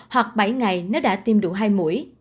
hoặc bảy ngày nếu đã tiêm đủ hai mũi